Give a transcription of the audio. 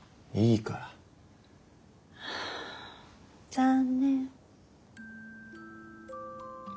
残念。